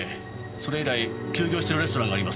それ以来休業しているレストランがあります。